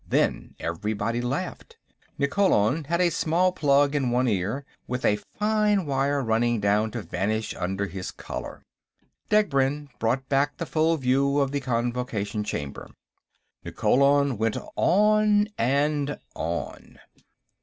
Then everybody laughed; Nikkolon had a small plug in one ear, with a fine wire running down to vanish under his collar. Degbrend brought back the full view of the Convocation Chamber. Nikkolon went on and on.